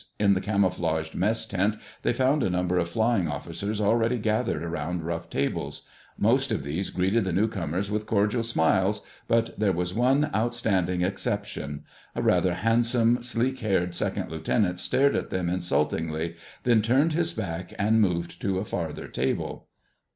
In the camouflaged mess tent, they found a number of flying officers already gathered around rough tables. Most of these greeted the newcomers with cordial smiles, but there was one outstanding exception. A rather handsome, sleek haired second lieutenant stared at them insultingly, then turned his back and moved to a farther table.